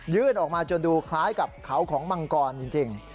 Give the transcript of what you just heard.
ออกมาจนดูคล้ายกับเขาของมังกรจริง